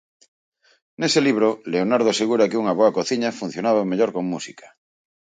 Nese libro Leonardo asegura que unha boa cociña funcionaba mellor con música.